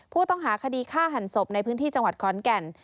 ผู้ต้องหาคดีฆ่าหันศพในพื้นที่จังหวัดขอนแก่น